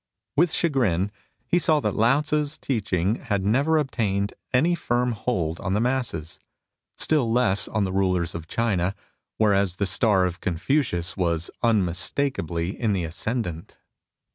With chagrin he saw that Lao Tzii's teaching had never obtained any firm hold on the masses, still less on the rulers of China, whereas the star of Confucius was unmistakably in the ascendant.